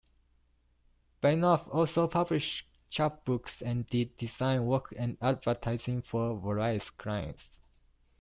Bengough also published chapbooks and did design work and advertising for various clients.